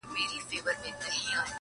فکر اوچت غواړمه قد خم راکه-